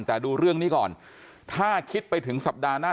แต่ดูเรื่องนี้ก่อนถ้าคิดไปถึงสัปดาห์หน้า